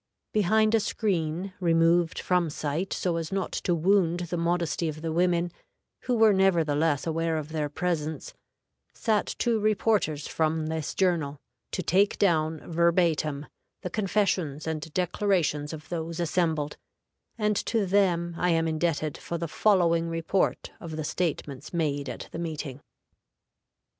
Behind a screen, removed from sight, so as not to wound the modesty of the women, who were nevertheless aware of their presence, sat two reporters from this journal, to take down verbatim the confessions and declarations of those assembled, and to them I am indebted for the following report of the statements made at the meeting."